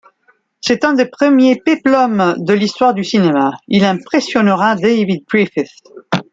C'est un des premiers péplum de l'histoire du cinéma, il impressionnera David Griffith.